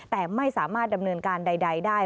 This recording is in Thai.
แต่ไม่สามารถดำเนินการใดได้